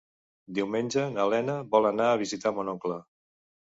Diumenge na Lena vol anar a visitar mon oncle.